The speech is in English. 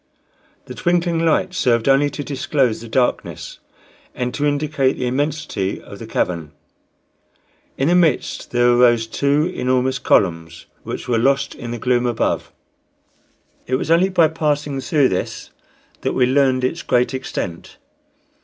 The twinkling lights served only to disclose the darkness and to indicate the immensity of the cavern. In the midst there arose two enormous columns, which were lost in the gloom above. It was only by passing through this that we learned its great extent.